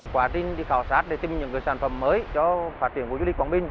quá trình đi khảo sát để tìm những sản phẩm mới cho phát triển của du lịch quảng bình